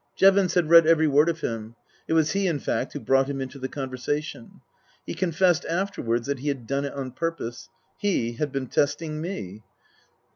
Jevons had read every word of him ; it was he, in fact, who brought him into the conversation. He confessed afterwards that he had done it on purpose. He had been testing me.